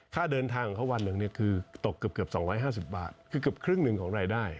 ค่าเดินทางของเขาวันหนึ่งคือตกเกือบ๒๕๐บาทคือเกือบครึ่งหนึ่งของรายได้